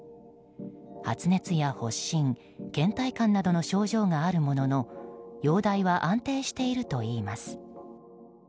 発熱や発疹、倦怠感などの症状があるものの容体は安定しているといいます。